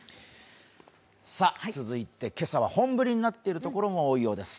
続いて、今朝は本降りになっているところも多いようです。